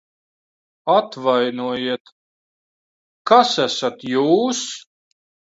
Atvainojiet, kas esat jūs?